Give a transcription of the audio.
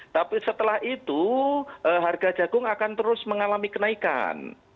tapi setelah itu harga jagung akan terus mengalami kenaikan